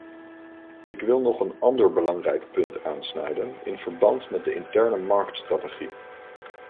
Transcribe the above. Ik wil nog een ander belangrijk punt aansnijden in verband met de interne-marktstrategie.